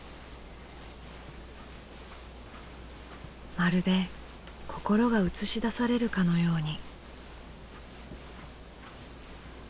まるで心が映し出されるかのように。